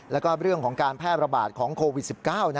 แล้วก็เรื่องของการแพร่ระบาดของโควิด๑๙